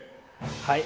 はい。